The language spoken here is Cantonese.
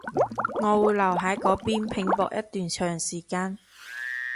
我會留喺嗰邊拼搏一段長時間